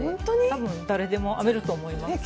多分誰でも編めると思います。